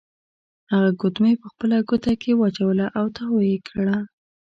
هغه ګوتمۍ په خپله ګوته کې واچوله او تاو یې کړه.